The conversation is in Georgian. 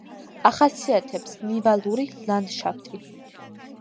ახასიათებს ნივალური ლანდშაფტი.